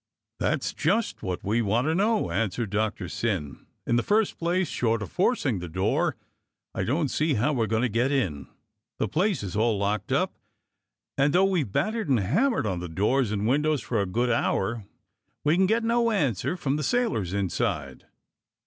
"That's just what we want to know," answered Doc tor Syn. "In the first place, short of forcing the door, I don't see how we're going to get in. The place is all locked up, and, though we have battered and hammered on the doors and windows for a good hour, we can get no answer from the sailors inside."